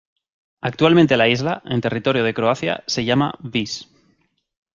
Actualmente la isla, en territorio de Croacia, se llama Vis.